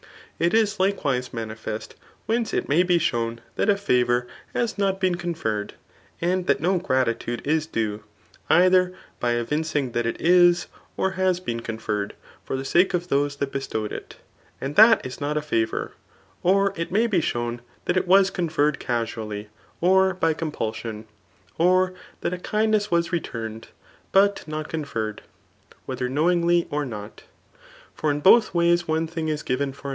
It is likewise manifest whence it may be shown that a 'ftvoUr has not been conferred, and that no gratitude is due, either by evincing that it is* or has been conferred for the sake of those that bestowed it ; and that is not a CHAP/ X. ^ RHBTORIC; 1 31 favpttr. rOr li Aispf ^be sfabvn:. that it ,wa8\colif9tced casually, or by compQlsToB* ' Or . that a Ubdiie^ , wbis returned, but not conferred, whether knowingly or not ; for i» both ways one thing^is givea foe.